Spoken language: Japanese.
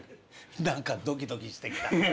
何かドキドキしてきた。